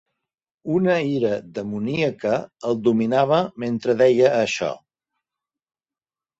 Una ira demoníaca el dominava mentre deia això.